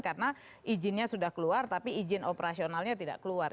karena izinnya sudah keluar tapi izin operasionalnya tidak keluar